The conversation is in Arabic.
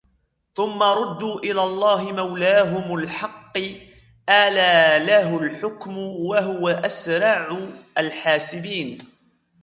ثُمَّ رُدُّوا إِلَى اللَّهِ مَوْلَاهُمُ الْحَقِّ أَلَا لَهُ الْحُكْمُ وَهُوَ أَسْرَعُ الْحَاسِبِينَ